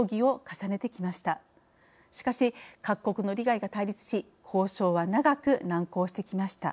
しかし各国の利害が対立し交渉は長く難航してきました。